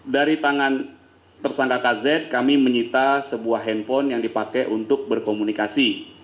dari tangan tersangka kz kami menyita sebuah handphone yang dipakai untuk berkomunikasi